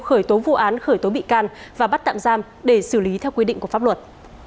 khởi tố vụ án khởi tố bị can và bắt tạm giam để xử lý theo quy định của pháp luật